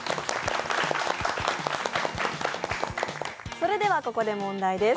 それではここで問題です。